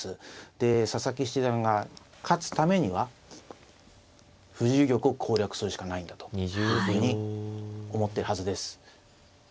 で佐々木七段が勝つためには藤井玉を攻略するしかないんだというふうに思ってるはずです。